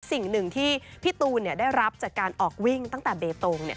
สิ่งหนึ่งที่พี่ตูนได้รับจากการออกวิ่งตั้งแต่เบตง